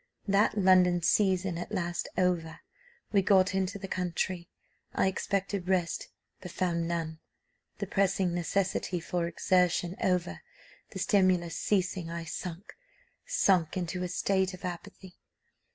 That London season at last over, we got into the country; I expected rest, but found none. The pressing necessity for exertion over, the stimulus ceasing, I sunk sunk into a state of apathy.